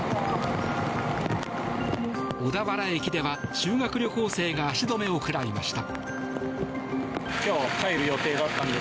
小田原駅では、修学旅行生が足止めを食らいました。